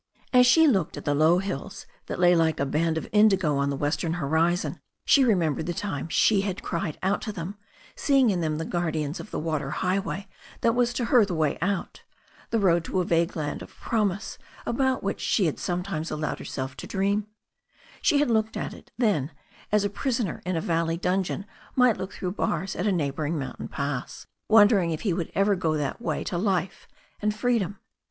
As she looked at the low hills that lay like a band of in digo on the western horizon, she remembered the times she had cried out to them, seeing in them the guardians of the water highway that was to her the way out, the road to a vague land oi promise about which she had sometimes al lowed hcrscU to dtewa. ^Ve Va.^ ViO«A^ ^.t them as a THE STORY OF A NEW ZEALAND RIVER 419 prisoner in a valley dungeon might look through bars at a neighbouring mountain pass, wondering if he would ever go that way to life and freedom.